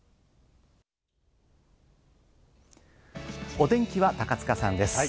お天気は高塚さんです。